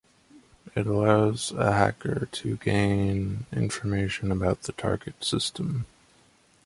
It allows a hacker to gain information about the target system.